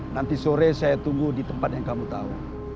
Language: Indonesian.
nanti sore saya tunggu di tempat yang kamu tahu